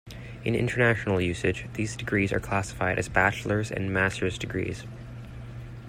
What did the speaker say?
In international usage, these degrees are classified as bachelor's and master's degrees.